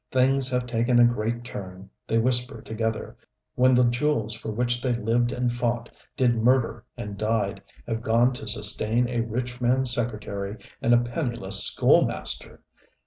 Things have taken a great turn, they whisper together, when the jewels for which they lived and fought, did murder and died, have gone to sustain a rich man's secretary and a penniless schoolmaster!